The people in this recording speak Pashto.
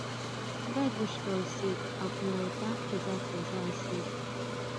بايد وشکول سي او په یو اطاق کي ځای پر ځای سي